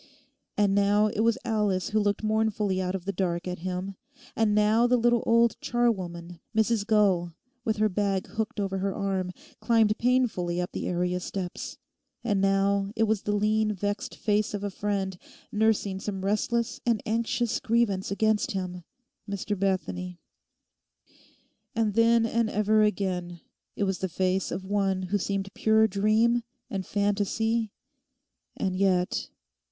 And now it was Alice who looked mournfully out of the dark at him; and now the little old charwoman, Mrs Gull, with her bag hooked over her arm, climbed painfully up the area steps; and now it was the lean vexed face of a friend, nursing some restless and anxious grievance against him—Mr Bethany; and then and ever again it was the face of one who seemed pure dream and fantasy and yet...